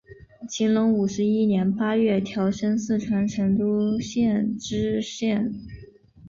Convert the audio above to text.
乾隆五十一年八月调升四川成都县知县。